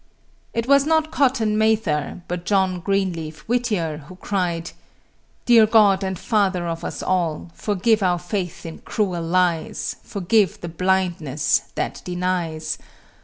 It was not Cotton Mather, but John Greenleaf Whittier, who cried: Dear God and Father of us all, Forgive our faith in cruel lies, Forgive the blindness that denies.